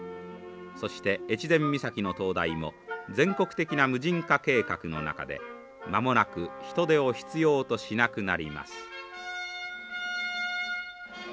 そして越前岬の灯台も全国的な無人化計画の中で間もなく人手を必要としなくなります。